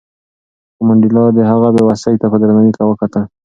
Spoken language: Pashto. خو منډېلا د هغه بې وسۍ ته په درناوي وکتل.